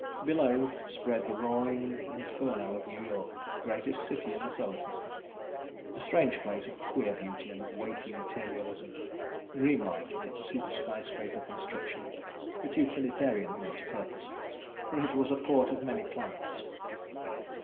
Below spread the roaring inferno of New York, greatest city in the Solar System, a strange place of queer beauty and weighty materialism, dreamlike in its super skyscraper construction, but utilitarian in its purpose, for it was a port of many planets.